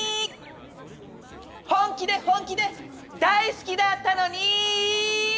本気で本気で大好きだったのに！